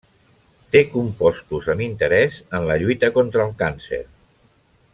Té compostos amb interès en la lluita contra el càncer.